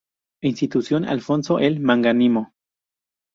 Institución Alfonso el Magnánimo.